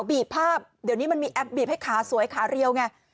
บีบภาพเดี๋ยวนี้มันมีแอปบีบให้ขาสวยขาเรียวไง